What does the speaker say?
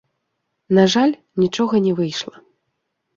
На жаль, нічога не выйшла.